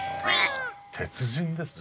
鉄人ですね。